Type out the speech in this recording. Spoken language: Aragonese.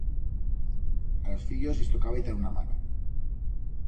A los fillos lis tocaba itar una mano.